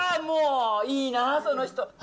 もう、いいな、その人。